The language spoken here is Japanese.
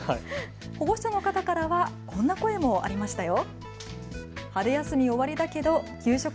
保護者の方からはこんな声もありましたよ。